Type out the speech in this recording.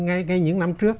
ngay những năm trước